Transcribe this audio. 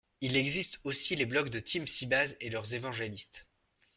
Il existe aussi les blogs de TeamSybase et leurs évangélistes.